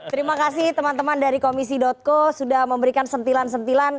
terima kasih teman teman dari komisi co sudah memberikan sentilan sentilan